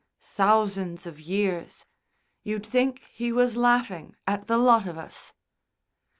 "Thousands of years. You'd think he was laughing at the lot of us."